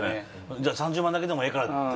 じゃあ３０万だけでもええからって。